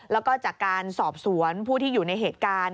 แล้วก็จากการสอบสวนผู้ที่อยู่ในเหตุการณ์